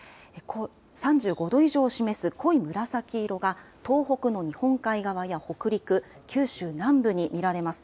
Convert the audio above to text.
３５度以上を示す濃い紫色が、東北の日本海側や北陸、九州南部に見られます。